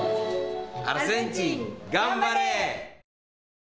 アルゼンチン頑張れ！